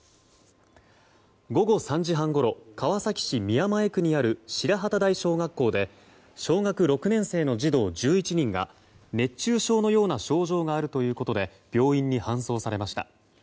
午後３時半ごろ川崎市宮前区にある白幡台小学校で小学６年生の児童１１人が熱中症のような症状があるということで病院に搬送されました。